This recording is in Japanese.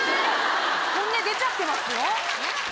本音出ちゃってますよ。